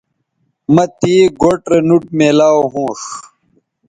مہ تے گوٹھ رے نوٹ میلاو ھونݜ